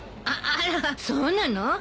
ああらそうなの？